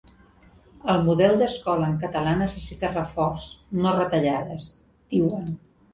“El model d’escola en català necessita reforç, no retallades”, diuen.